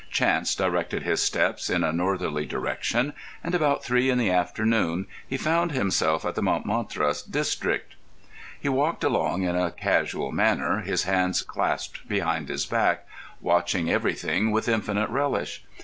Chance directed his steps in a northerly direction, and about three in the afternoon he found himself in the Montmartre district. He walked along in a casual manner, his hands clasped behind his back, watching everything with infinite relish.